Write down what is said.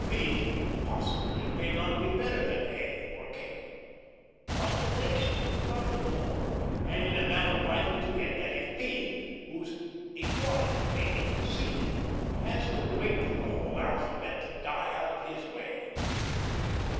P. possibly may not be better than A. or K., but the nation will profit more, and in a matter vital to it, than if P., whose equality may be conceded, has to wait for the whole alphabet to die out of his way.